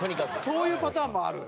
そういうパターンもある。